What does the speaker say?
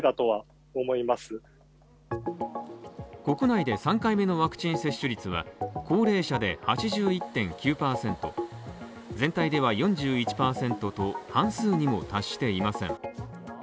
国内で３回目のワクチン接種率は高齢者で８１．９％、全体では４１％と半数にも達していません。